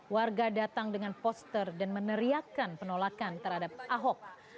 warga datang dengan poster dan meneriakan penolakan terhadap ahok